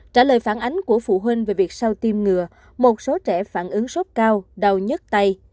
trả lời phản ánh của phụ huynh về việc sau tiêm ngừa một số trẻ phản ứng sốt cao đau nhất tay